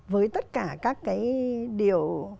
với tất cả các cái điều